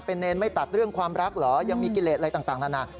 เป็นเนรไม่ตัดเรื่องความรักเหรอยังมีกิเลสอะไรต่างนานา